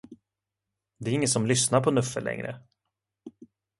Det är ingen som lyssnar på Nuffe längre.